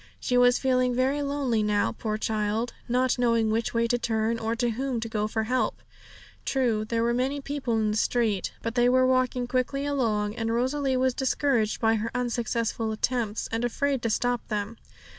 She was feeling very lonely now, poor child, not knowing which way to turn, or to whom to go for help. True, there wore many people in the street, but they were walking quickly along, and Rosalie was discouraged by her unsuccessful attempts, and afraid to stop them.